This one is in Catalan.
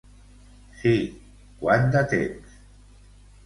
Sí, quant de temps.